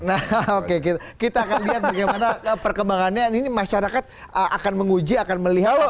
nah oke kita akan lihat bagaimana perkembangannya ini masyarakat akan menguji akan melihat